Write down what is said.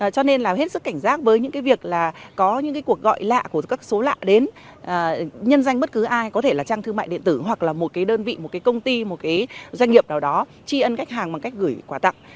cho nên là hết sức cảnh giác với những việc là có những cuộc gọi lạ của các số lạ đến nhân danh bất cứ ai có thể là trang thương mại điện tử hoặc là một đơn vị một công ty một doanh nghiệp nào đó chi ân khách hàng bằng cách gửi quà tặng